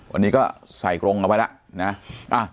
วันนี้ก็ใส่กรงเอาไว้แล้วนะ